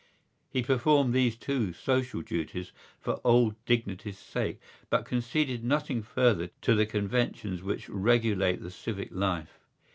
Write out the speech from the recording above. He performed these two social duties for old dignity's sake but conceded nothing further to the conventions which regulate the civic life.